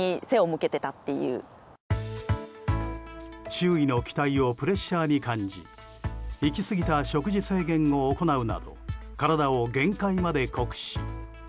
周囲の期待をプレッシャーに感じ行き過ぎた食事制限を行うなど体を限界まで酷使。